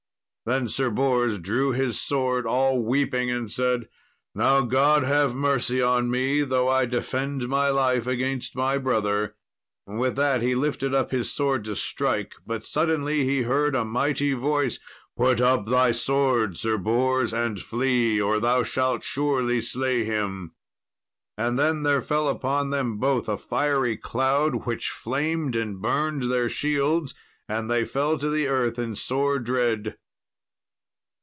Then Sir Bors drew his sword all weeping, and said, "Now, God have mercy on me, though I defend my life against my brother;" with that he lifted up his sword to strike, but suddenly he heard a mighty voice, "Put up thy sword, Sir Bors, and flee, or thou shalt surely slay him." And then there fell upon them both a fiery cloud, which flamed and burned their shields, and they fell to the earth in sore dread.